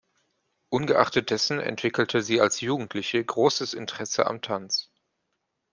Ungeachtet dessen entwickelte sie als Jugendliche großes Interesse am Tanz.